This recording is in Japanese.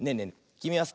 きみはさ